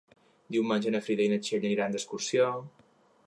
Diumenge na Frida i na Txell aniran d'excursió.